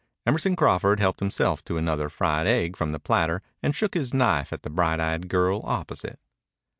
Emerson Crawford helped himself to another fried egg from the platter and shook his knife at the bright eyed girl opposite.